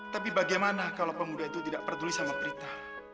tapi bagaimana kalau pemuda itu tidak peduli sama prita